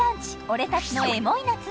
俺たちのエモい夏」